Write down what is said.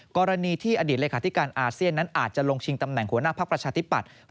กรณีที่อดีตเลขาธิการอาเซียนนั้นอาจจะลงชิงตำแหน่งหัวหน้าภักดิ์ประชาธิปัตย์